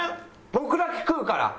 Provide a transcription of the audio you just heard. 僕だけ食うから！